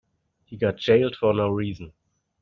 He got jailed for no reason.